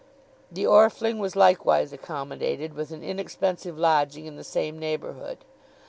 The Orfling was likewise accommodated with an inexpensive lodging in the same neighbourhood.